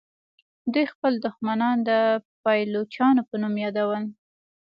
دوی خپل دښمنان د پایلوچانو په نوم یادول.